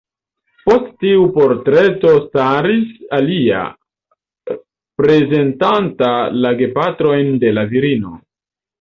Post tiu portreto staris alia, prezentanta la gepatrojn de la knabino.